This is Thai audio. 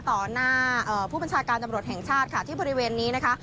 ต่อหน้าผู้บัญชาการตำรวจแห่งชาติค่ะที่บริเวณนี้นะคะ